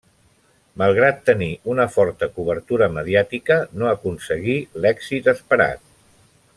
Malgrat tenir una forta cobertura mediàtica, no aconseguí l'èxit esperat.